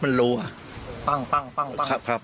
ตำรวจอีกหลายคนก็หนีออกจุดเกิดเหตุทันที